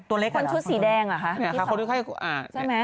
ตัวเล็กฝนซุดสีแดงอ่ะคะเนี่ยค่ะคนที่ให้อ่าใช่ไหม